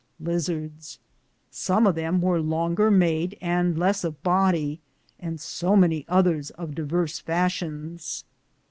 ^ Som of them weare longer maede and less of boddie, and so many othcres of diveres fations.